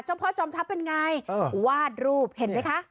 พ่อจอมทัพเป็นไงวาดรูปเห็นไหมคะ